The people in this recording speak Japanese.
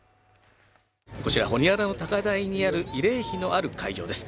こちらホニアラの高台にある慰霊碑のある海上です。